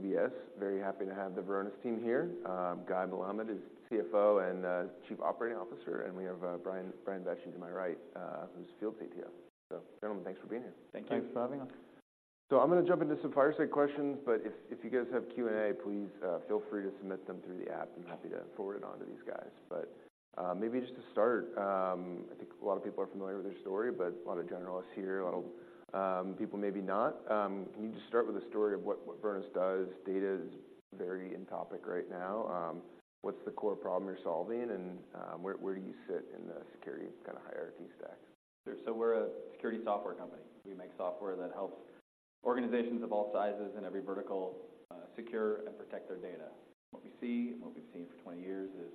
UBS, very happy to have the Varonis team here. Guy Melamed is the CFO and Chief Operating Officer, and we have Brian Vecci to my right, who's Field CTO. Gentlemen, thanks for being here. Thank you. Thanks for having us. So I'm gonna jump into some fireside questions, but if you guys have Q&A, please feel free to submit them through the app. I'm happy to forward it on to these guys. But maybe just to start, I think a lot of people are familiar with your story, but a lot of journalists here, a lot of people maybe not. Can you just start with the story of what Varonis does? Data is very in topic right now. What's the core problem you're solving, and where do you sit in the security kind of hierarchy stack? Sure. So we're a security software company. We make software that helps organizations of all sizes in every vertical, secure and protect their data. What we see, and what we've seen for 20 years, is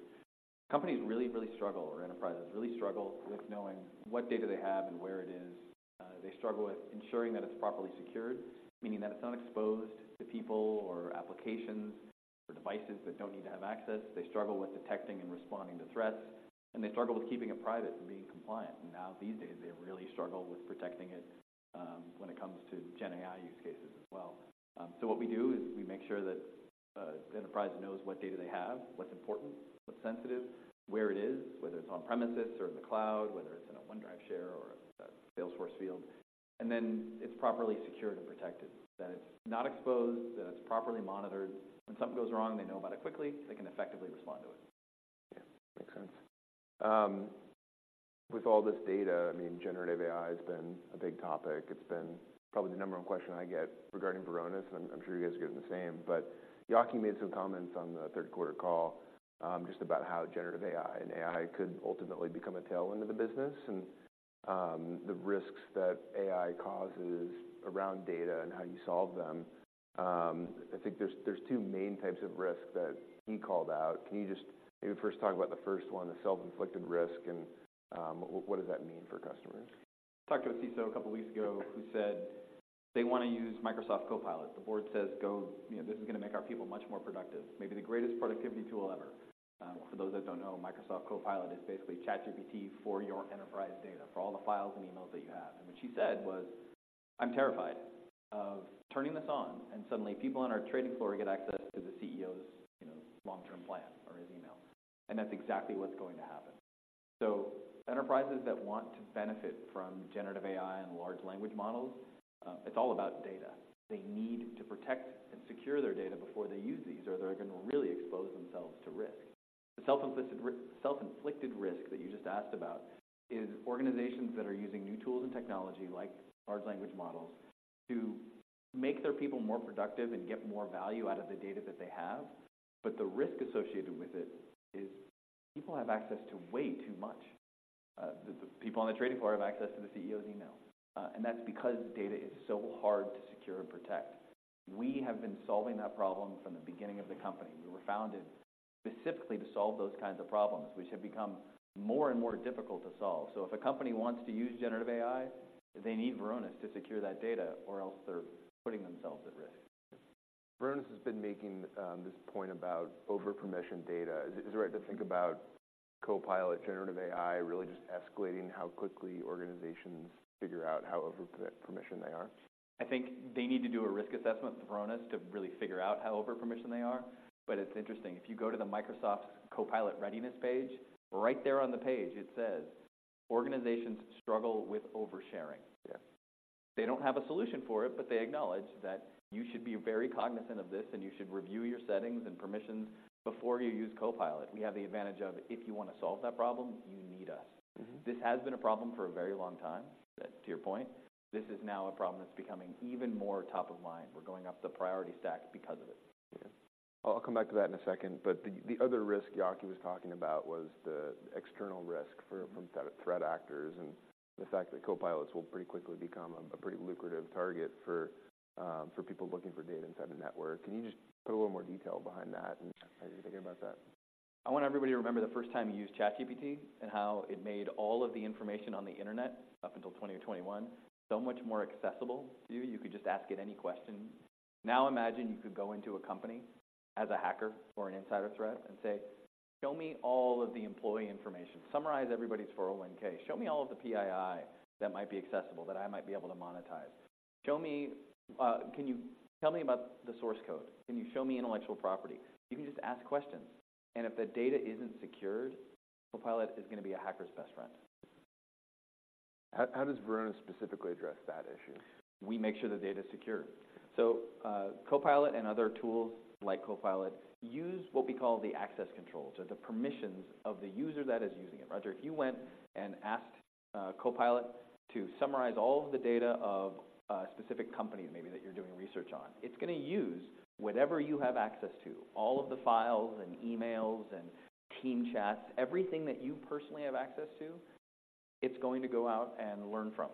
companies really, really struggle, or enterprises really struggle with knowing what data they have and where it is. They struggle with ensuring that it's properly secured, meaning that it's not exposed to people or applications or devices that don't need to have access. They struggle with detecting and responding to threats, and they struggle with keeping it private and being compliant. Now, these days, they really struggle with protecting it, when it comes to Gen AI use cases as well. What we do is we make sure that the enterprise knows what data they have, what's important, what's sensitive, where it is, whether it's on premises or in the cloud, whether it's in a OneDrive share or a Salesforce field, and then it's properly secured and protected, that it's not exposed, that it's properly monitored. When something goes wrong, they know about it quickly, they can effectively respond to it. Yeah, makes sense. With all this data, I mean, generative AI has been a big topic. It's been probably the number one question I get regarding Varonis, and I'm sure you guys are getting the same. But Yaki made some comments on the third quarter call, just about how generative AI and AI could ultimately become a tailwind of the business, and the risks that AI causes around data and how you solve them. I think there's two main types of risks that he called out. Can you just maybe first talk about the first one, the self-inflicted risk, and what does that mean for customers? Talked to a CISO a couple weeks ago who said they wanna use Microsoft Copilot. The board says, "Go. You know, this is gonna make our people much more productive. Maybe the greatest productivity tool ever." For those that don't know, Microsoft Copilot is basically ChatGPT for your enterprise data, for all the files and emails that you have. And what she said was, "I'm terrified of turning this on, and suddenly people on our trading floor get access to the CEO's, you know, long-term plan or his email." And that's exactly what's going to happen. So enterprises that want to benefit from generative AI and large language models, it's all about data. They need to protect and secure their data before they use these, or they're gonna really expose themselves to risk. The self-inflicted risk that you just asked about is organizations that are using new tools and technology, like large language models, to make their people more productive and get more value out of the data that they have. But the risk associated with it is people have access to way too much. The people on the trading floor have access to the CEO's email, and that's because data is so hard to secure and protect. We have been solving that problem from the beginning of the company. We were founded specifically to solve those kinds of problems, which have become more and more difficult to solve. So if a company wants to use generative AI, they need Varonis to secure that data, or else they're putting themselves at risk. Varonis has been making this point about over-permissioned data. Is it right to think about Copilot, generative AI, really just escalating how quickly organizations figure out how over-permissioned they are? I think they need to do a risk assessment with Varonis to really figure out how over-permissioned they are. But it's interesting, if you go to the Microsoft Copilot readiness page, right there on the page, it says, "Organizations struggle with oversharing. Yeah. They don't have a solution for it, but they acknowledge that you should be very cognizant of this, and you should review your settings and permissions before you use Copilot. We have the advantage of, if you want to solve that problem, you need us. Mm-hmm. This has been a problem for a very long time. To your point, this is now a problem that's becoming even more top of mind. We're going up the priority stack because of it. Yeah. I'll come back to that in a second, but the other risk Yaki was talking about was the external risk for- Mm-hmm... from threat actors, and the fact that Copilots will pretty quickly become a pretty lucrative target for people looking for data inside the network. Can you just put a little more detail behind that and how you think about that? I want everybody to remember the first time you used ChatGPT and how it made all of the information on the internet, up until 2020 or 2021, so much more accessible to you. You could just ask it any question. Now, imagine you could go into a company as a hacker or an insider threat and say, "Show me all of the employee information. Summarize everybody's 401(k). Show me all of the PII that might be accessible, that I might be able to monetize. Show me... Can you tell me about the source code? Can you show me intellectual property?" You can just ask questions, and if the data isn't secured, Copilot is gonna be a hacker's best friend. How does Varonis specifically address that issue? We make sure the data is secure. So, Copilot and other tools like Copilot use what we call the access controls, or the permissions of the user that is using it. Roger, if you went and asked Copilot to summarize all of the data of a specific company, maybe that you're doing research on, it's gonna use whatever you have access to. All of the files and emails and team chats, everything that you personally have access to, it's going to go out and learn from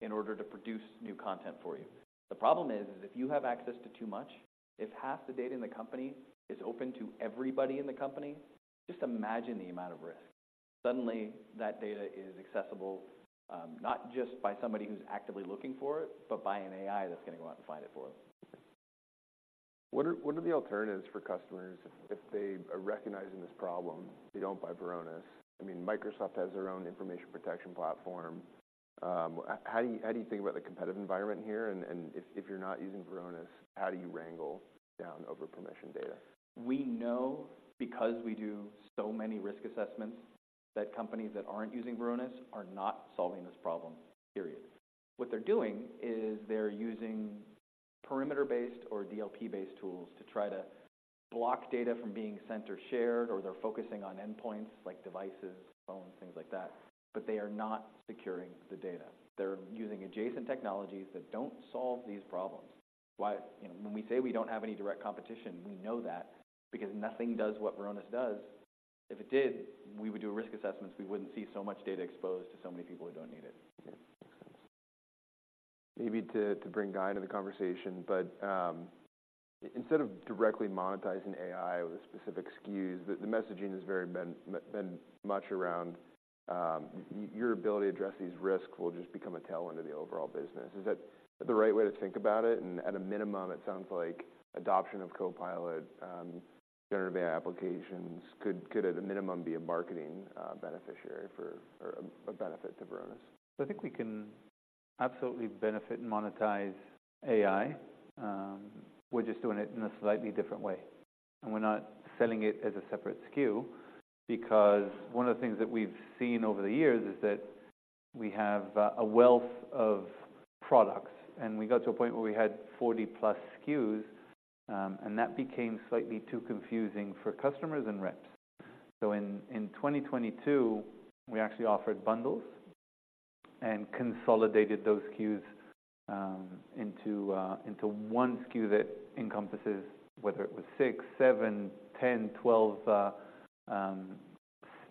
in order to produce new content for you. The problem is, is if you have access to too much, if half the data in the company is open to everybody in the company, just imagine the amount of risk. Suddenly, that data is accessible, not just by somebody who's actively looking for it, but by an AI that's gonna go out and find it for them. What are the alternatives for customers if they are recognizing this problem, they don't buy Varonis? I mean, Microsoft has their own information protection platform. How do you think about the competitive environment here? And if you're not using Varonis, how do you wrangle down over permission data? We know, because we do so many risk assessments, that companies that aren't using Varonis are not solving this problem, period. What they're doing is they're using perimeter-based or DLP-based tools to try to block data from being sent or shared, or they're focusing on endpoints like devices, phones, things like that, but they are not securing the data. They're using adjacent technologies that don't solve these problems. Why, you know, when we say we don't have any direct competition, we know that because nothing does what Varonis does. If it did, we would do risk assessments, we wouldn't see so much data exposed to so many people who don't need it. Yeah, makes sense. Maybe to bring Guy into the conversation, but instead of directly monetizing AI with a specific SKU, the messaging has very much been around your ability to address these risks will just become a tailwind of the overall business. Is that the right way to think about it? And at a minimum, it sounds like adoption of Copilot generative AI applications could, at a minimum, be a marketing beneficiary for... or a benefit to Varonis. I think we can absolutely benefit and monetize AI. We're just doing it in a slightly different way, and we're not selling it as a separate SKU. Because one of the things that we've seen over the years is that we have a wealth of products, and we got to a point where we had 40+ SKUs, and that became slightly too confusing for customers and reps. So in 2022, we actually offered bundles and consolidated those SKUs into one SKU that encompasses whether it was 6, 7, 10, 12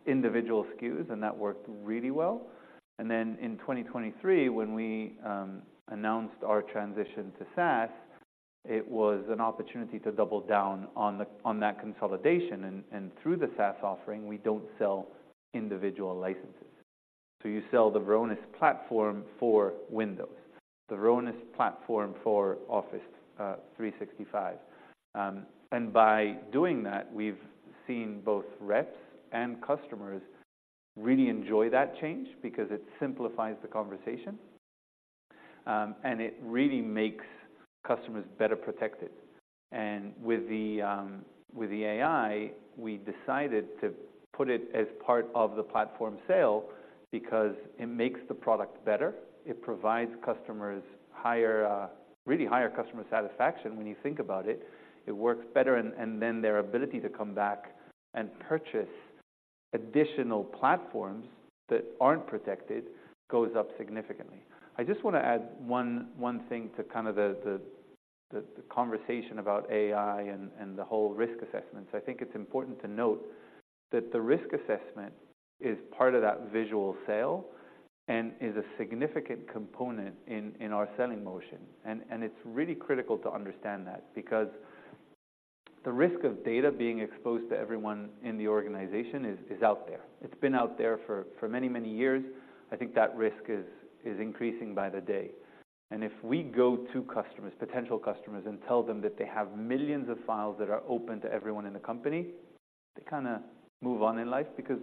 individual SKUs, and that worked really well. And then in 2023, when we announced our transition to SaaS, it was an opportunity to double down on that consolidation, and through the SaaS offering, we don't sell individual licenses. So you sell the Varonis platform for Windows, the Varonis platform for Office 365. And by doing that, we've seen both reps and customers really enjoy that change because it simplifies the conversation, and it really makes customers better protected. And with the AI, we decided to put it as part of the platform sale because it makes the product better. It provides customers higher, really higher customer satisfaction when you think about it. It works better, and then their ability to come back and purchase additional platforms that aren't protected goes up significantly. I just want to add one thing to kind of the conversation about AI and the whole risk assessment. So I think it's important to note that the risk assessment is part of that visual sale and is a significant component in our selling motion. It's really critical to understand that, because the risk of data being exposed to everyone in the organization is out there. It's been out there for many years. I think that risk is increasing by the day. If we go to customers, potential customers, and tell them that they have millions of files that are open to everyone in the company, they kinda move on in life, because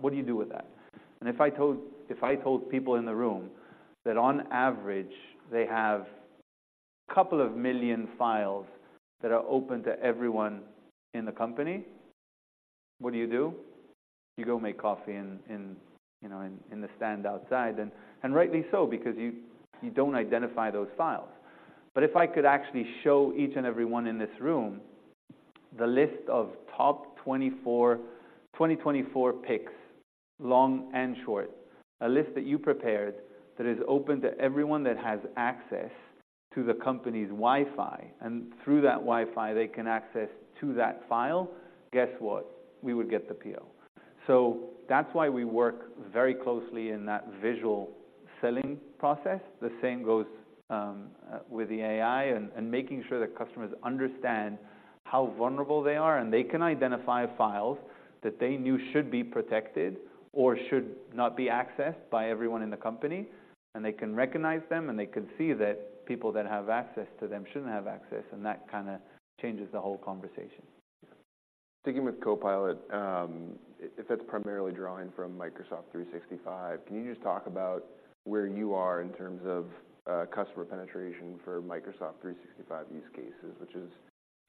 what do you do with that? If I told people in the room that on average they have a couple of million files that are open to everyone in the company, what do you do? You go make coffee in, you know, in the stand outside, and rightly so, because you don't identify those files. But if I could actually show each and everyone in this room the list of top 2024 picks, long and short, a list that you prepared that is open to everyone that has access to the company's Wi-Fi, and through that Wi-Fi, they can access to that file, guess what? We would get the PO. So that's why we work very closely in that visual selling process. The same goes with the AI and making sure that customers understand how vulnerable they are, and they can identify files that they knew should be protected or should not be accessed by everyone in the company, and they can recognize them, and they can see that people that have access to them shouldn't have access, and that kinda changes the whole conversation. Sticking with Copilot, if that's primarily drawing from Microsoft 365, can you just talk about where you are in terms of customer penetration for Microsoft 365 use cases, which is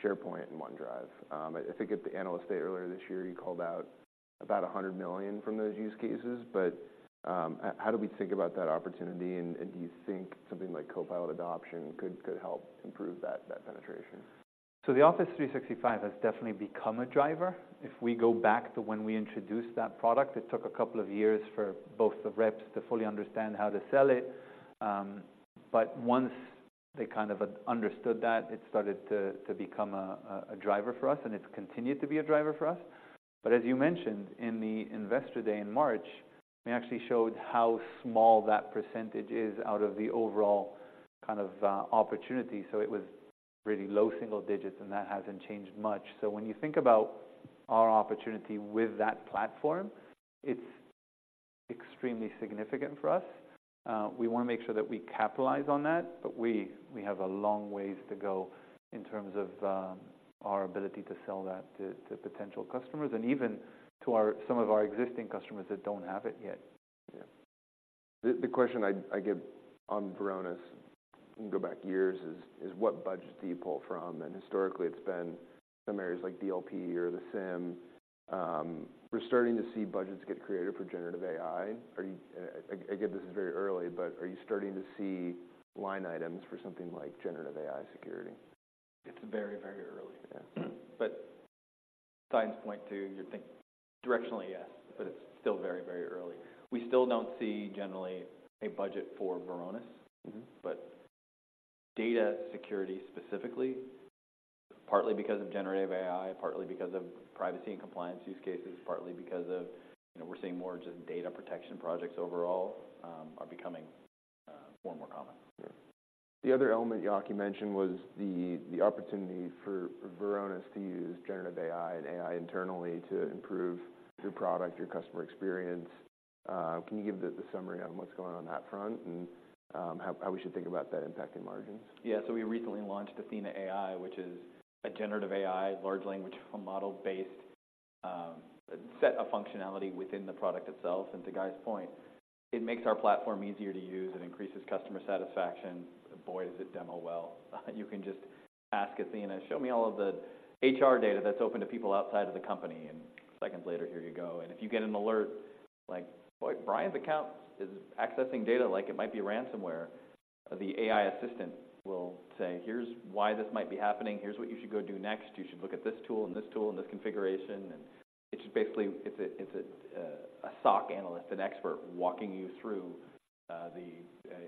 SharePoint and OneDrive? I think at the Analyst Day earlier this year, you called out about $100 million from those use cases, but how do we think about that opportunity, and do you think something like Copilot adoption could help improve that penetration? So the Office 365 has definitely become a driver. If we go back to when we introduced that product, it took a couple of years for both the reps to fully understand how to sell it. But once they kind of understood that, it started to become a driver for us, and it's continued to be a driver for us. But as you mentioned in the Investor Day in March, we actually showed how small that percentage is out of the overall kind of opportunity. So it was really low single digits, and that hasn't changed much. So when you think about our opportunity with that platform, it's extremely significant for us. We wanna make sure that we capitalize on that, but we have a long ways to go in terms of our ability to sell that to potential customers and even to some of our existing customers that don't have it yet.... The question I get on Varonis, and go back years, is what budgets do you pull from? And historically it's been some areas like DLP or the SIEM. We're starting to see budgets get created for generative AI. I get this is very early, but are you starting to see line items for something like generative AI security? It's very, very early. Yeah. But signs point to you think directionally, yes, but it's still very, very early. We still don't see generally a budget for Varonis. Mm-hmm. Data security, specifically, partly because of generative AI, partly because of privacy and compliance use cases, partly because of, you know, we're seeing more just data protection projects overall, are becoming more and more common. Yeah. The other element Yaki mentioned was the opportunity for Varonis to use generative AI and AI internally to improve your product, your customer experience. Can you give the summary on what's going on that front, and how we should think about that impact in margins? Yeah. So we recently launched Athena AI, which is a generative AI, large language model-based set of functionality within the product itself. And to Guy's point, it makes our platform easier to use and increases customer satisfaction. Boy, does it demo well. You can just ask Athena, "Show me all of the HR data that's open to people outside of the company," and seconds later, here you go. And if you get an alert, like, "Boy, Brian's account is accessing data like it might be ransomware," the AI assistant will say, "Here's why this might be happening. Here's what you should go do next. You should look at this tool and this tool and this configuration." And it's just basically a SOC analyst, an expert, walking you through the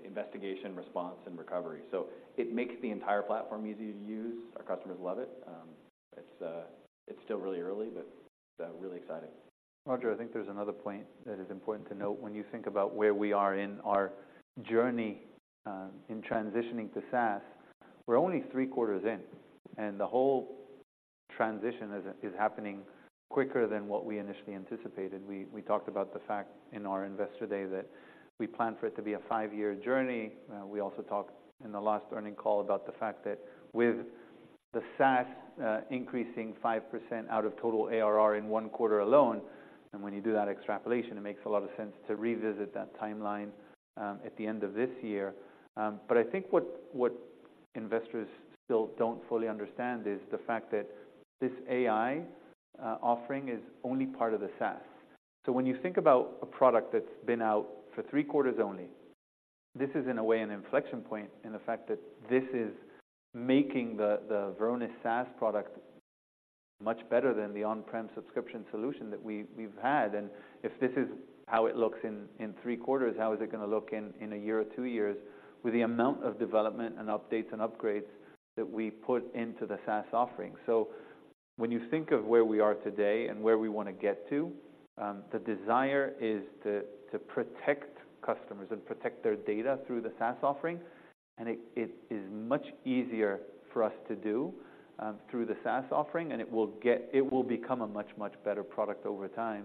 investigation, response, and recovery. So it makes the entire platform easy to use. Our customers love it. It's still really early, but really exciting. Roger, I think there's another point that is important to note when you think about where we are in our journey, in transitioning to SaaS. We're only three quarters in, and the whole transition is, is happening quicker than what we initially anticipated. We, we talked about the fact in our Investor Day that we plan for it to be a five-year journey. We also talked in the last earnings call about the fact that with the SaaS, increasing 5% out of total ARR in one quarter alone, and when you do that extrapolation, it makes a lot of sense to revisit that timeline, at the end of this year. But I think what, what investors still don't fully understand is the fact that this AI, offering is only part of the SaaS. So when you think about a product that's been out for three quarters only, this is, in a way, an inflection point in the fact that this is making the Varonis SaaS product much better than the on-prem subscription solution that we've had. And if this is how it looks in three quarters, how is it gonna look in a year or two years with the amount of development, and updates, and upgrades that we put into the SaaS offering? So when you think of where we are today and where we wanna get to, the desire is to protect customers and protect their data through the SaaS offering. And it is much easier for us to do through the SaaS offering, and it will become a much, much better product over time,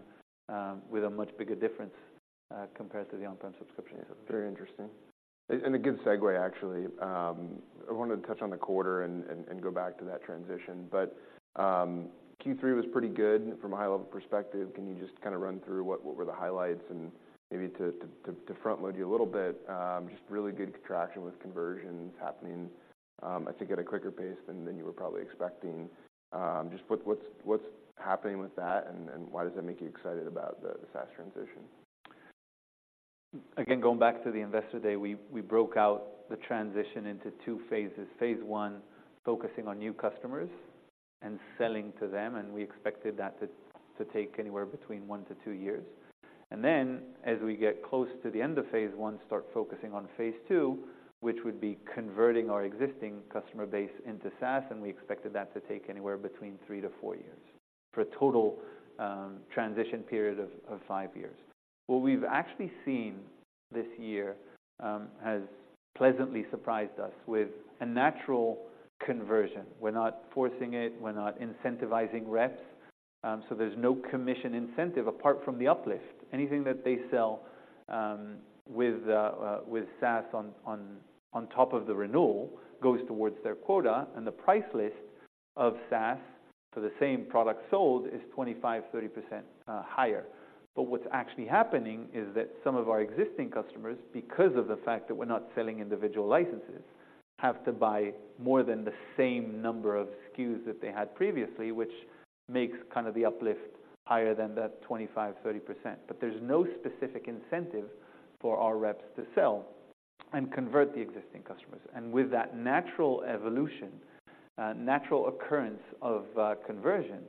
with a much bigger difference compared to the on-prem subscription. Very interesting. A good segue, actually. I wanted to touch on the quarter and go back to that transition. But Q3 was pretty good from a high-level perspective. Can you just kind of run through what were the highlights? Maybe to front load you a little bit, just really good traction with conversions happening, I think at a quicker pace than you were probably expecting. Just what's happening with that, and why does that make you excited about the SaaS transition? Again, going back to the Investor Day, we broke out the transition into two phases. Phase 1, focusing on new customers and selling to them, and we expected that to take anywhere between 1-2 years. Then, as we get close to the end of Phase 1, start focusing on Phase 2, which would be converting our existing customer base into SaaS, and we expected that to take anywhere between 3-4 years, for a total transition period of 5 years. What we've actually seen this year has pleasantly surprised us with a natural conversion. We're not forcing it, we're not incentivizing reps, so there's no commission incentive apart from the uplift. Anything that they sell with SaaS on top of the renewal goes towards their quota, and the price list of SaaS for the same product sold is 25%-30% higher. But what's actually happening is that some of our existing customers, because of the fact that we're not selling individual licenses, have to buy more than the same number of SKUs that they had previously, which makes kind of the uplift higher than that 25%-30%. But there's no specific incentive for our reps to sell and convert the existing customers. And with that natural evolution, natural occurrence of conversion,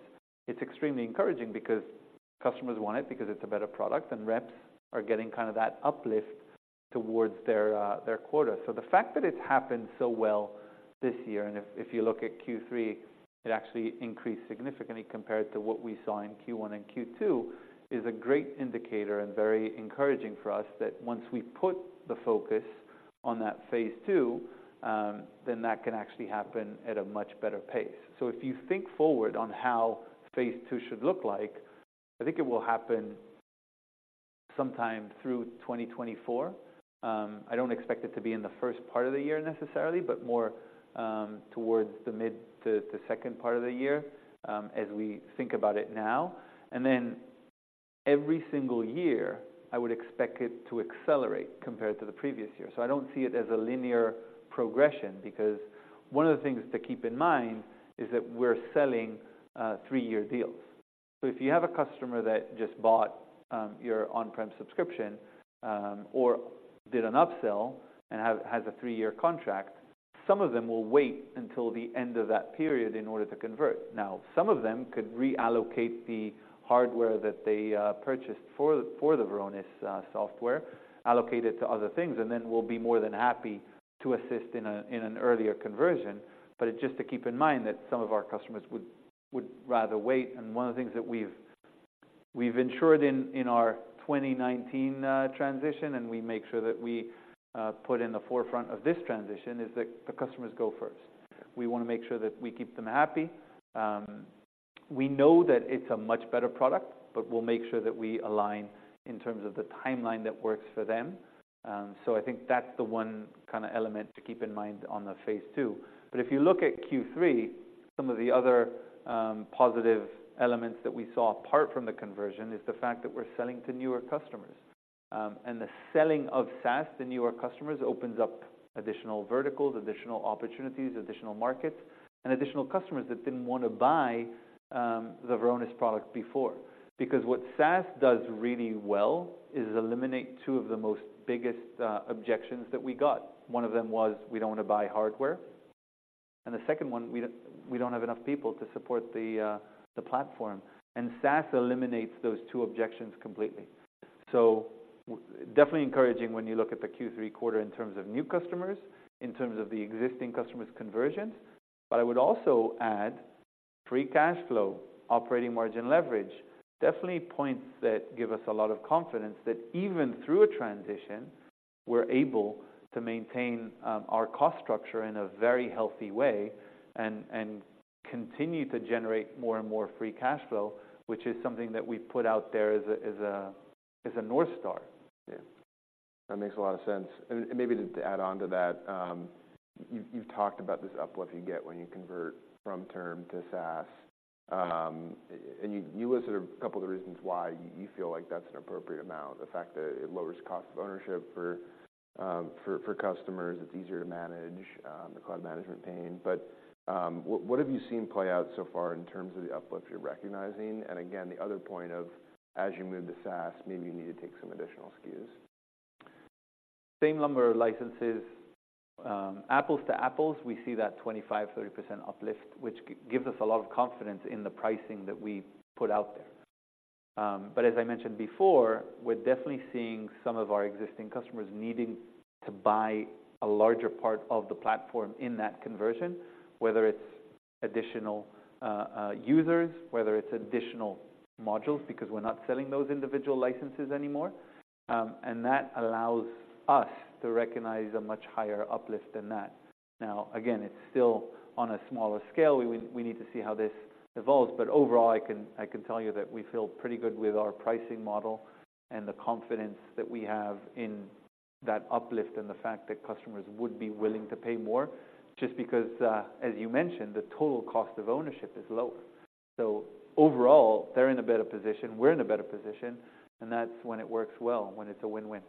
it's extremely encouraging because customers want it, because it's a better product, and reps are getting kind of that uplift towards their quota. So the fact that it's happened so well this year, and if you look at Q3, it actually increased significantly compared to what we saw in Q1 and Q2, is a great indicator and very encouraging for us, that once we put the focus on that Phase 2, then that can actually happen at a much better pace. So if you think forward on how Phase 2 should look like, I think it will happen sometime through 2024. I don't expect it to be in the first part of the year necessarily, but more towards the mid to the second part of the year, as we think about it now. And then every single year, I would expect it to accelerate compared to the previous year. So I don't see it as a linear progression, because one of the things to keep in mind is that we're selling three-year deals. So if you have a customer that just bought your on-prem subscription, or did an upsell and has a three-year contract, some of them will wait until the end of that period in order to convert. Now, some of them could reallocate the hardware that they purchased for the Varonis software, allocate it to other things, and then we'll be more than happy to assist in an earlier conversion. But just to keep in mind that some of our customers would rather wait. One of the things that we've ensured in our 2019 transition, and we make sure that we put in the forefront of this transition, is that the customers go first. We want to make sure that we keep them happy. We know that it's a much better product, but we'll make sure that we align in terms of the timeline that works for them. So I think that's the one kind of element to keep in mind on the Phase 2. If you look at Q3, some of the other positive elements that we saw apart from the conversion, is the fact that we're selling to newer customers. And the selling of SaaS to newer customers opens up additional verticals, additional opportunities, additional markets, and additional customers that didn't want to buy the Varonis product before. Because what SaaS does really well is eliminate two of the most biggest objections that we got. One of them was, "We don't want to buy hardware," and the second one, "We don't, we don't have enough people to support the, the platform." And SaaS eliminates those two objections completely. So definitely encouraging when you look at the Q3 in terms of new customers, in terms of the existing customers' conversion. But I would also add free cash flow, operating margin leverage, definitely points that give us a lot of confidence that even through a transition, we're able to maintain our cost structure in a very healthy way, and, and continue to generate more and more free cash flow, which is something that we've put out there as a, as a, as a North Star. Yeah, that makes a lot of sense. And maybe to add on to that, you've talked about this uplift you get when you convert from term to SaaS. And you listed a couple of the reasons why you feel like that's an appropriate amount. The fact that it lowers cost of ownership for customers, it's easier to manage the cloud management pain. But what have you seen play out so far in terms of the uplifts you're recognizing? And again, the other point of, as you move to SaaS, maybe you need to take some additional SKUs. Same number of licenses. Apples to apples, we see that 25-30% uplift, which gives us a lot of confidence in the pricing that we put out there. But as I mentioned before, we're definitely seeing some of our existing customers needing to buy a larger part of the platform in that conversion, whether it's additional users, whether it's additional modules, because we're not selling those individual licenses anymore. And that allows us to recognize a much higher uplift than that. Now, again, it's still on a smaller scale. We need to see how this evolves, but overall, I can tell you that we feel pretty good with our pricing model and the confidence that we have in that uplift, and the fact that customers would be willing to pay more, just because, as you mentioned, the total cost of ownership is lower. So overall, they're in a better position, we're in a better position, and that's when it works well, when it's a win-win.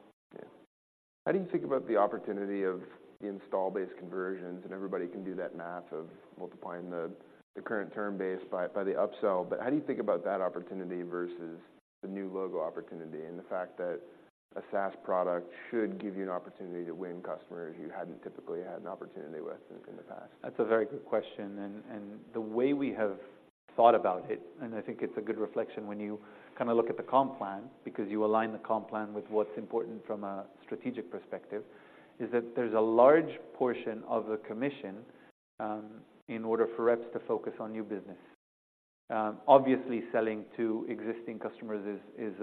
Yeah. How do you think about the opportunity of the install base conversions? And everybody can do that math of multiplying the current term base by the upsell. But how do you think about that opportunity versus the new logo opportunity, and the fact that a SaaS product should give you an opportunity to win customers you hadn't typically had an opportunity with in the past? That's a very good question, and the way we have thought about it, and I think it's a good reflection when you kind of look at the comp plan, because you align the comp plan with what's important from a strategic perspective, is that there's a large portion of the commission in order for reps to focus on new business. Obviously, selling to existing customers is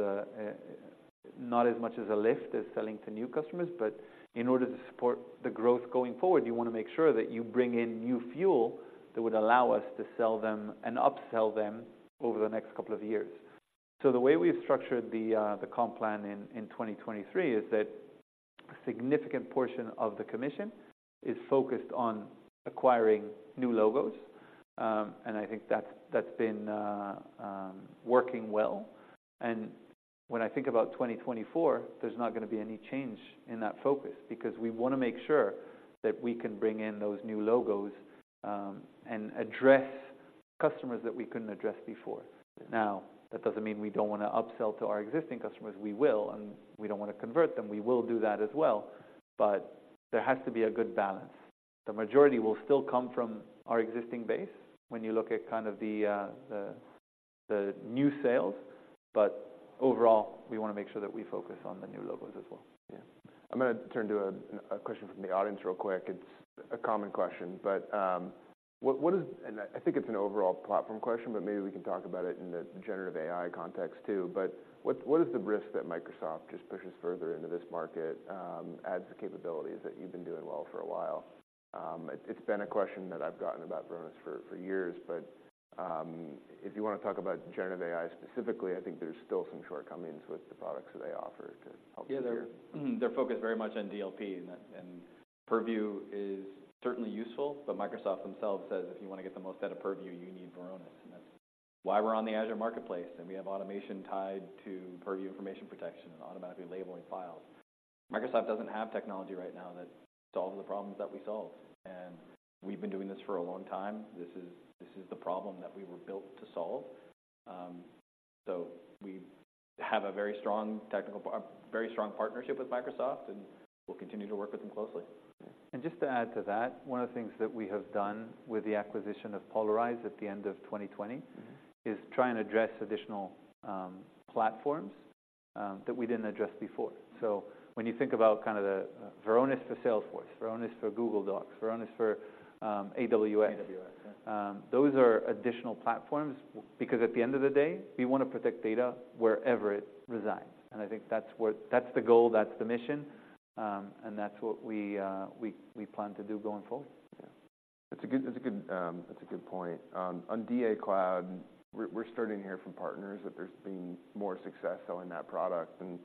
not as much as a lift as selling to new customers. But in order to support the growth going forward, you want to make sure that you bring in new fuel that would allow us to sell them, and upsell them, over the next couple of years. So the way we've structured the comp plan in 2023 is that a significant portion of the commission is focused on acquiring new logos. I think that's, that's been working well. And when I think about 2024, there's not going to be any change in that focus, because we want to make sure that we can bring in those new logos, and address customers that we couldn't address before. Now, that doesn't mean we don't want to upsell to our existing customers. We will. And we don't want to convert them. We will do that as well, but there has to be a good balance. The majority will still come from our existing base when you look at kind of the new sales, but overall, we want to make sure that we focus on the new logos as well. Yeah. I'm going to turn to a question from the audience real quick. It's a common question, but what is... And I think it's an overall platform question, but maybe we can talk about it in the generative AI context too. But what is the risk that Microsoft just pushes further into this market, adds the capabilities that you've been doing well for a while? It's been a question that I've gotten about Varonis for years. But if you want to talk about generative AI specifically, I think there's still some shortcomings with the products that they offer to help you here. Yeah. They're focused very much on DLP, and Purview is certainly useful, but Microsoft themselves says, "If you want to get the most out of Purview, you need Varonis," and that's-... why we're on the Azure Marketplace, and we have automation tied to Purview Information Protection and automatically labeling files. Microsoft doesn't have technology right now that solves the problems that we solve, and we've been doing this for a long time. This is the problem that we were built to solve. So we have a very strong technical partnership with Microsoft, and we'll continue to work with them closely. And just to add to that, one of the things that we have done with the acquisition of Polyrize at the end of 2020, is try and address additional platforms that we didn't address before. So when you think about kind of the Varonis for Salesforce, Varonis for Google Docs, Varonis for AWS- AWS, yeah... those are additional platforms, because at the end of the day, we want to protect data wherever it resides. And I think that's what, that's the goal, that's the mission, and that's what we plan to do going forward. Yeah. That's a good point. On DA Cloud, we're starting to hear from partners that there's been more success selling that product. And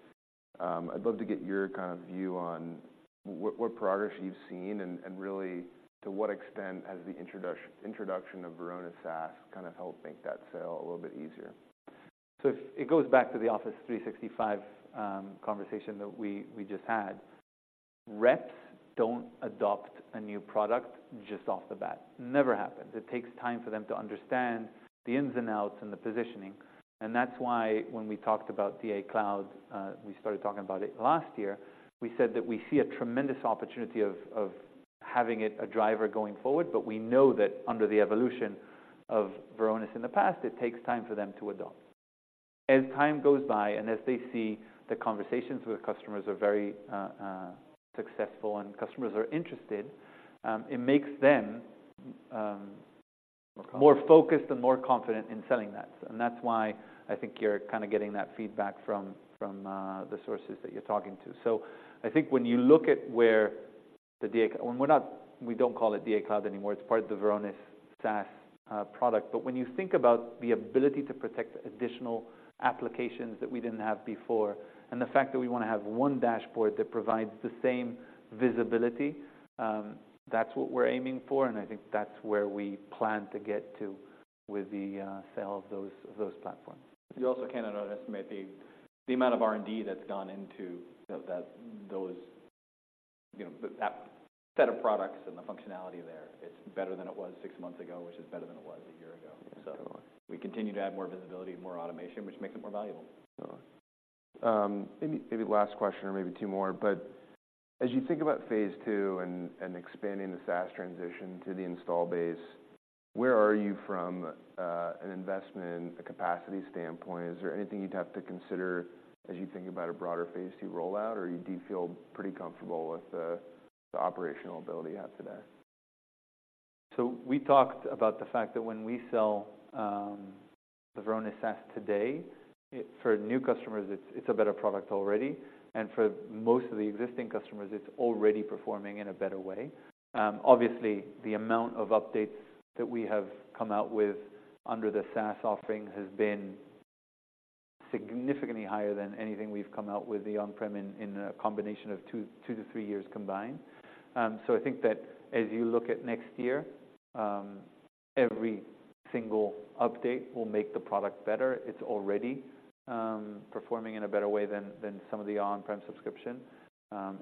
I'd love to get your kind of view on what progress you've seen, and really to what extent has the introduction of Varonis SaaS kind of helped make that sale a little bit easier? So it goes back to the Office 365 conversation that we just had. Reps don't adopt a new product just off the bat. Never happens. It takes time for them to understand the ins and outs and the positioning, and that's why when we talked about DA Cloud, we started talking about it last year, we said that we see a tremendous opportunity of having it a driver going forward, but we know that under the evolution of Varonis in the past, it takes time for them to adopt. As time goes by, and as they see the conversations with customers are very successful and customers are interested, it makes them- More confident... more focused and more confident in selling that. And that's why I think you're kind of getting that feedback from the sources that you're talking to. So I think when you look at where the DA Cloud... And we're not—we don't call it DA Cloud anymore, it's part of the Varonis SaaS product. But when you think about the ability to protect additional applications that we didn't have before, and the fact that we want to have one dashboard that provides the same visibility, that's what we're aiming for, and I think that's where we plan to get to with the sale of those platforms. You also cannot underestimate the amount of R&D that's gone into those, you know, that set of products and the functionality there. It's better than it was six months ago, which is better than it was a year ago. Yeah. We continue to add more visibility and more automation, which makes it more valuable. Maybe, maybe last question, or maybe two more. But as you think about Phase 2 and expanding the SaaS transition to the install base, where are you from an investment, a capacity standpoint? Is there anything you'd have to consider as you think about a broader Phase 2 rollout, or do you feel pretty comfortable with the operational ability you have today? So we talked about the fact that when we sell the Varonis SaaS today, it for new customers, it's a better product already, and for most of the existing customers, it's already performing in a better way. Obviously, the amount of updates that we have come out with under the SaaS offering has been significantly higher than anything we've come out with the on-prem in a combination of two to three years combined. So I think that as you look at next year, every single update will make the product better. It's already performing in a better way than some of the on-prem subscription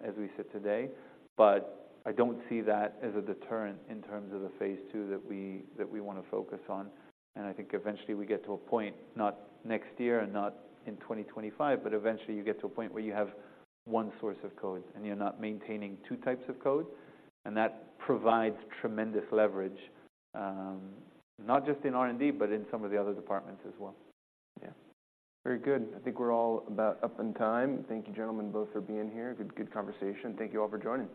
as we sit today. But I don't see that as a deterrent in terms of the Phase 2 that we want to focus on. I think eventually we get to a point, not next year and not in 2025, but eventually you get to a point where you have one source of code, and you're not maintaining two types of code, and that provides tremendous leverage, not just in R&D, but in some of the other departments as well. Yeah. Very good. I think we're all about up in time. Thank you, gentlemen, both for being here. Good, good conversation. Thank you all for joining.